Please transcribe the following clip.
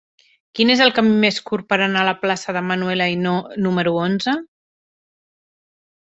Quin és el camí més curt per anar a la plaça de Manuel Ainaud número onze?